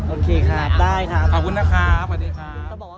โอเคครับได้ครับขอบคุณนะคะขอบคุณค่ะ